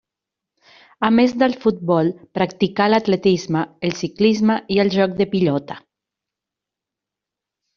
A més del futbol, practicà l'atletisme, el ciclisme i el joc de pilota.